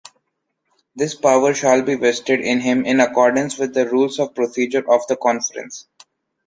This power shall be vested in him in accordance with the rules of procedure of the Conference.